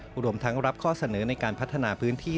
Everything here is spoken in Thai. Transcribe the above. รวมทั้งรับข้อเสนอในการพัฒนาพื้นที่